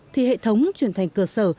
thì hệ thống truyền thanh cơ sở